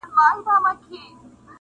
ښه خواږه لکه ګلان داسي ښایسته وه,